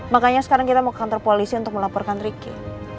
makanya sekarang kita mau ke kantor polisi untuk melaporkan ricky